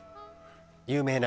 有名な。